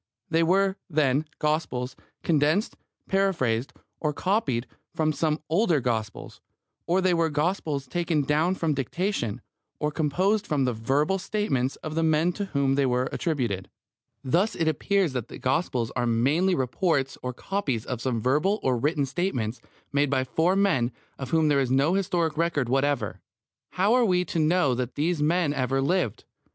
They were, then, Gospels condensed, paraphrased, or copied from some older Gospels, or they were Gospels taken down from dictation, or composed from the verbal statements of the men to whom they were attributed. Thus it appears that the Gospels are merely reports or copies of some verbal or written statements made by four men of whom there is no historic record whatever. How are we to know that these men ever lived?